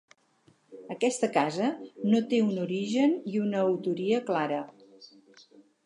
Aquesta casa no té un origen i una autoria clara.